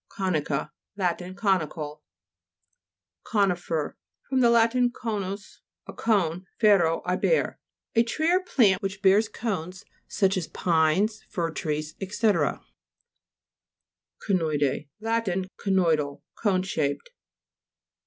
CO'NICA Lat. Conical. CO'NIFER fr. lat. conus, a cone, fero, I bear. A tree or plant which bears cones, such as pines, fir trees, &c. CONOIDEA Lat. Conoidal. Cone shaped.